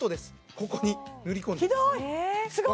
ここに塗り込んでいきますひどい！